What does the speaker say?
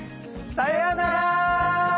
さようなら。